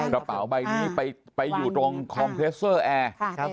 กระเป๋าใบนี้ไปอยู่ตรงคอมเพลสเซอร์แอร์